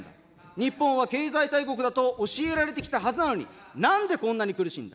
日本は経済大国だと教えられてきたはずなのに、なんでこんなに苦しいんだ。